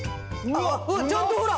あっちゃんとほら！